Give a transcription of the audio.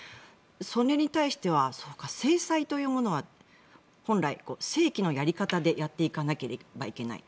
それに対してはそうか、制裁というものは本来、正規のやり方でやっていかなければいけない。